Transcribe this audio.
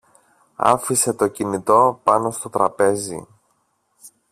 Άφησε το κινητό πάνω στο τραπέζι